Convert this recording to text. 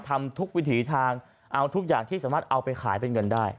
ทำทุกวิถีทางเอาทุกอย่างที่สามารถเอาไปขายเป็นเงินได้